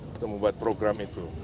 untuk membuat program itu